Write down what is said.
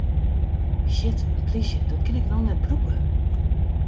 Shit, in plysje, dat kin ik no net brûke!